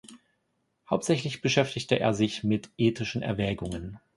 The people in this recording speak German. Hauptsächlich beschäftigte er sich mit ethischen Erwägungen.